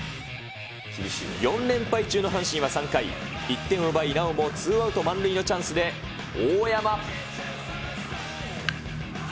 ４連敗中の阪神は３回、１点を奪いなおもツーアウト満塁のチャンスで、大山。